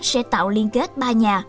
sẽ tạo liên kết ba nhà